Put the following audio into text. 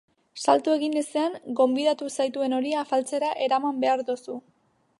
Salto egin ezean, gonbidatu zaituen hori afaltzera eraman behar duzu.